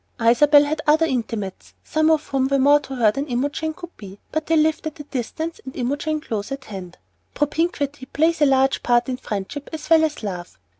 Isabel had other intimates, some of whom were more to her than Imogen could be, but they lived at a distance and Imogen close at hand. Propinquity plays a large part in friendship as well as love.